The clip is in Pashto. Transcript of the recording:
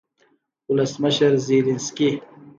ولسمشرزیلینسکي